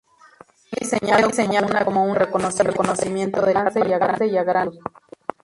Fue diseñado como un avión de reconocimiento de largo alcance y a gran altitud.